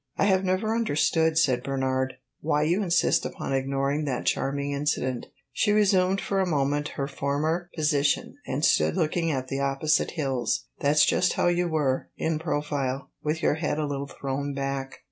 "I have never understood," said Bernard, "why you insist upon ignoring that charming incident." She resumed for a moment her former position, and stood looking at the opposite hills. "That 's just how you were in profile with your head a little thrown back."